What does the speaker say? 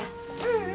うん。